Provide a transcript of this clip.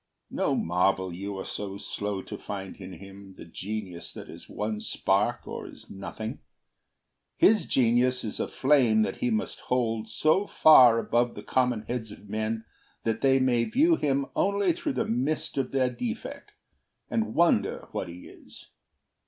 No marvel you are slow to find in him The genius that is one spark or is nothing: His genius is a flame that he must hold So far above the common heads of men That they may view him only through the mist Of their defect, and wonder what he is.